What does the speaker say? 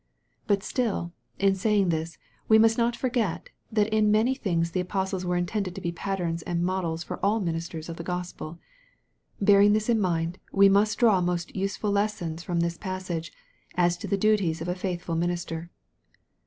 But still, in saying this, we must not forget, that in many things the apostles were intended to be patterns and models for all ministers of the Gospel. Bearing this in mind, we may draw most useful lessons from this passage, as to the duties of a faithful minister.